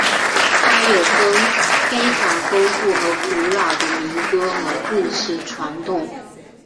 它有非常丰富和古老的民歌和故事传统。